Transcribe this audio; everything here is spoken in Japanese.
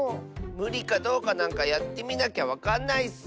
むりかどうかなんかやってみなきゃわかんないッス！